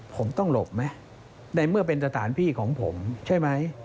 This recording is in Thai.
ผมต้องหลบไหมในเมื่อเป็นสถานที่ของผมใช่ไหม